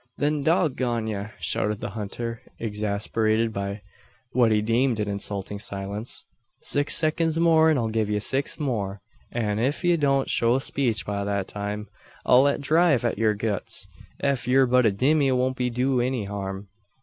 "Then dog gone ye!" shouted the hunter, exasperated by what he deemed an insulting silence. "Six seconds more I'll gie ye six more; an ef ye don't show speech by that time, I'll let drive at yur guts. Ef ye're but a dummy it won't do ye any harm.